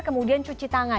kemudian cuci tangan